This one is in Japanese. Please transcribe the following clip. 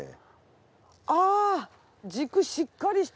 ああ軸しっかりしてる。